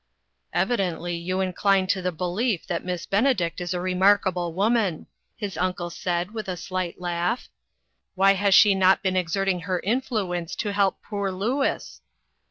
" Evidently you incline to the belief that Miss Benedict is a remarkable woman," his uncle said, with a slight laugh. " Why has she not been exerting her influence to help poor Louis?"